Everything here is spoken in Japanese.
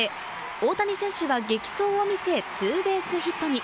大谷選手は激走を見せ、ツーベースヒットに。